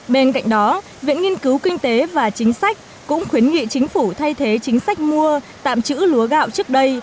bên cạnh đó viện nghiên cứu kinh tế và chính sách cũng khuyến nghị chính phủ thay thế chính sách mua tạm trữ lúa gạo trước đây